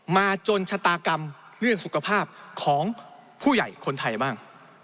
มาจนชะตากรรมเรื่องสุขภาพของผู้ใหญ่คนไทยบ้าง